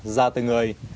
ra từ người